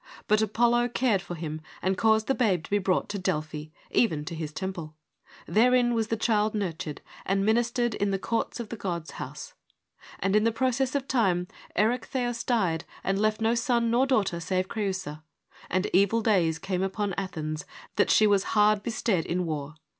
But Apollo cared for him, and caused the babe to be brought to Delphi, even to his temple. Therein was the child nurtured, and ministered in the courts of the God's house. And in process of time Erechtheus died, and left THE FOUR FEMINIST PLAYS 119 no son nor daughter save Creusa, and evil days came upon Athens, that she was hard bestead in war.